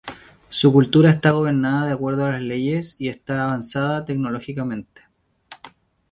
Su cultura está gobernada de acuerdo a leyes y está avanzada tecnológicamente.